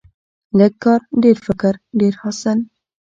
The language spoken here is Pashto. لږ کار، ډیر فکر، ډیر حاصل.